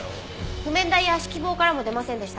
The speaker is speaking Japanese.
譜面台や指揮棒からも出ませんでした。